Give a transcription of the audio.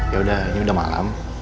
ya ini udah malam